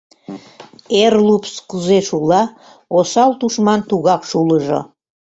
Эр лупс кузе шула, осал тушман тугак шулыжо.